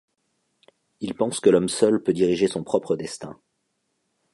Il pense que l'homme seul peut diriger son propre destin.